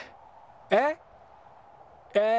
えっ？